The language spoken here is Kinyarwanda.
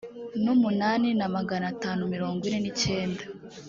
n umunani na magana atanu mirongo ine n icyenda